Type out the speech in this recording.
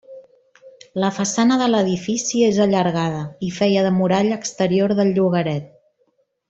La façana de l'edifici és allargada i feia de muralla exterior del llogaret.